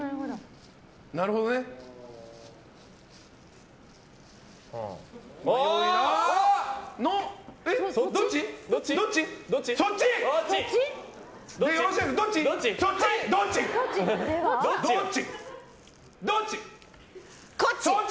なるほどね。どっち？